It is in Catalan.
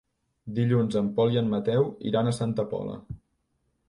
Dilluns en Pol i en Mateu iran a Santa Pola.